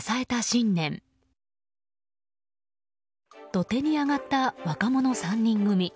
土手に上がった若者３人組。